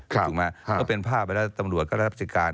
ต้องเป็นภาพไปแล้วตำรวจก็ต้องรับสิการ